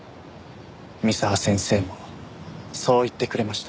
三沢先生もそう言ってくれました。